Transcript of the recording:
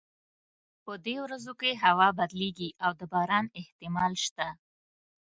په دې ورځو کې هوا بدلیږي او د باران احتمال شته